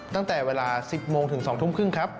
ตั้งแต่เวลา๑๐โมงถึง๒ทุ่มครึ่งครับ